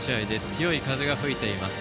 強い風が吹いています。